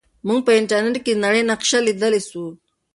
موږ په انټرنیټ کې د نړۍ نقشه لیدلی سو.